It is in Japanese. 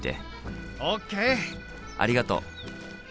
ありがとう。